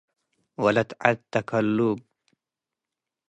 ወለት ዐድ ተከሉብ